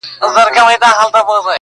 ستا په زلفو کي اثیر را سره خاندي,